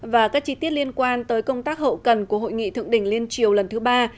và các chi tiết liên quan tới công tác hậu cần của hội nghị thượng đỉnh liên triều lần thứ ba